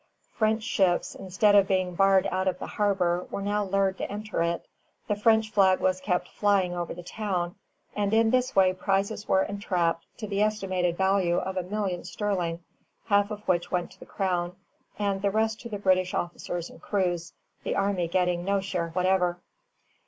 French ships, instead of being barred out of the harbor, were now lured to enter it. The French flag was kept flying over the town, and in this way prizes were entrapped to the estimated value of a million sterling, half of which went to the Crown, and the rest to the British officers and crews, the army getting no share whatever.